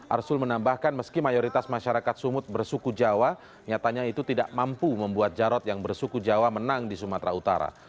arsul menambahkan meski mayoritas masyarakat sumut bersuku jawa nyatanya itu tidak mampu membuat jarod yang bersuku jawa menang di sumatera utara